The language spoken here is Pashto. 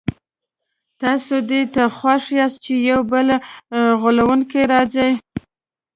تاسي دې ته خوښ یاست چي یو بل غولونکی راځي.